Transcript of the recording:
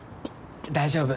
大丈夫。